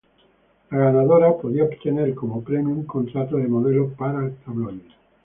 La ganadora podría obtener como premio un contrato de modelo para el tabloide.